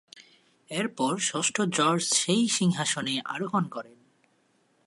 এরপর ষষ্ঠ জর্জ সেই সিংহাসনে আরোহণ করেন।